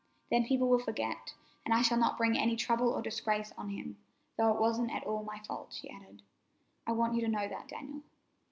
Then people will forget, and I shall not bring any trouble or disgrace on him—though it wasn't at all my fault," she added. "I want you to know that, Daniel."